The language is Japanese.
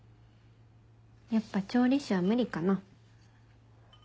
やっぱ調理師は無理かな。